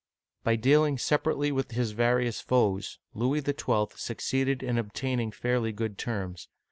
By dealing separately with his various foes, Louis XII. succeeded in obtaining fairly good terms.